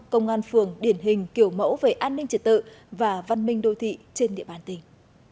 công an phường điển hình kiểu mẫu về an ninh trật tự và văn minh đô thị trên địa bàn tỉnh